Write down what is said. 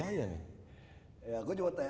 ya gue cuma tanya sama kapolda aja